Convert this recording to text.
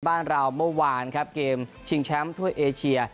บ้านเราเมื่อวานครับเกมชิงแชมป์ทั่วเอเชีย